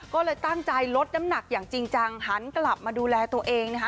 ก็เลยตั้งใจลดน้ำหนักอย่างจริงจังหันกลับมาดูแลตัวเองนะคะ